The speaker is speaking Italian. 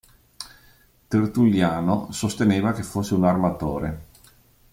Tertulliano sosteneva che fosse un armatore.